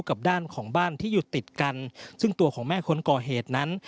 กับด้านของบ้านที่อยู่ติดกันซึ่งตัวของแม่คนก่อเหตุนั้น